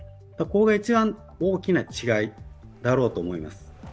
ここが一番大きな違いだろうと思います。